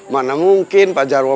mana mungkin pak jarwo